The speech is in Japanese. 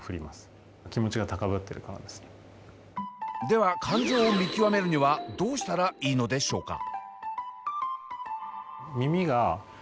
では感情を見極めるにはどうしたらいいのでしょうか？